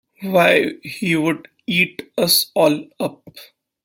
Why, he would eat us all up.